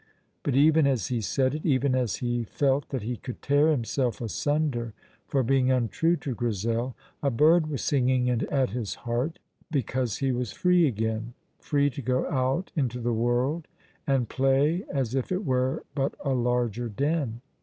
But even as he said it, even as he felt that he could tear himself asunder for being untrue to Grizel, a bird was singing at his heart because he was free again, free to go out into the world and play as if it were but a larger den.